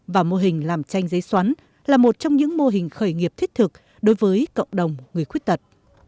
và mô hình làm tranh giấy xoắn là một trong những mô hình khởi nghiệp thiết thực đối với cộng đồng người khuyết tật